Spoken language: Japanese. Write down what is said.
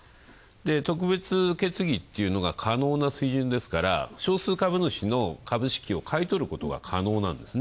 特別決議っていうのが可能な水準ですから、少数株主の株は買い取ることが可能なんですね。